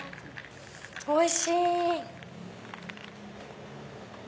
おいしい！